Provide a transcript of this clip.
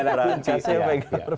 kunci berangkas ya